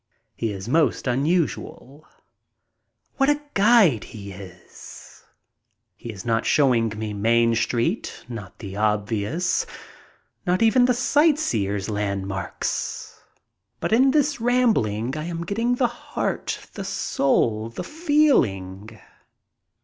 He is most unusual. What a guide he is! He is not showing rne Main Street, not the obvious, not even the sight seer's landmarks, but in this rambling I am getting the heart, the soul, the feeling.